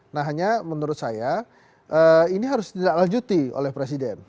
nah hanya menurut saya ini harus dilanjuti oleh presiden